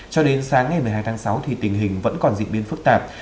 cho đến sáng ngày một mươi hai tháng sáu thì tình hình vẫn còn diễn biến phức tạp